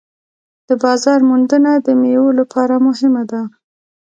د بازار موندنه د میوو لپاره مهمه ده.